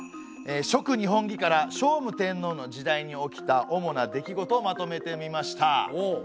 「続日本紀」から聖武天皇の時代に起きた主な出来事をまとめてみました。